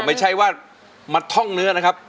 ไม่ใช่ว่ามาท่องเนื้อนะครับ